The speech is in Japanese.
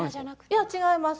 いや、違います。